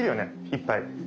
いっぱい。